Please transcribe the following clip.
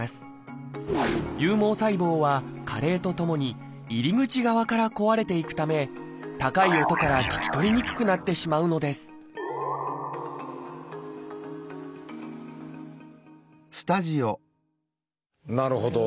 有毛細胞は加齢とともに入り口側から壊れていくため高い音から聞き取りにくくなってしまうのですなるほど。